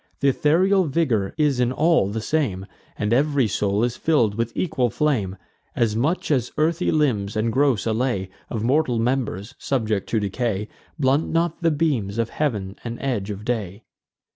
Th' ethereal vigour is in all the same, And every soul is fill'd with equal flame; As much as earthy limbs, and gross allay Of mortal members, subject to decay, Blunt not the beams of heav'n and edge of day.